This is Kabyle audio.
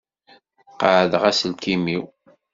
Qaεdeɣ aselkim-iw.